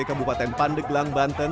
kabupaten pandeglang banten